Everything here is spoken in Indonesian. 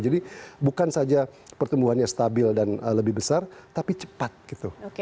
jadi bukan saja pertumbuhannya stabil dan lebih besar tapi cepat gitu